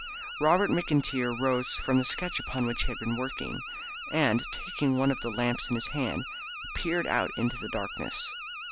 Robert McIntyre rose from the sketch upon which he had been working, and taking one of the lamps in his hand peered out into the darkness.